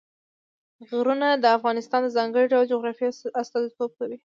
غرونه د افغانستان د ځانګړي ډول جغرافیه استازیتوب کوي.